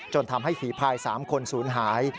จนทำให้ฟีตภาย๓คนสูญหาย